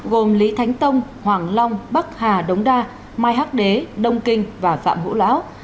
gồm lý thánh tông hoàng long bắc hà đống đa mai hắc đế đông kinh và phạm hữu lão